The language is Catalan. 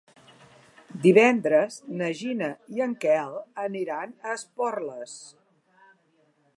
Divendres na Gina i en Quel aniran a Esporles.